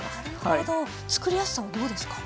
なるほど作りやすさはどうですか？